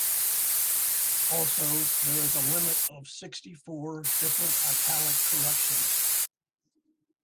Also, there is a limit of sixty-four different italic corrections.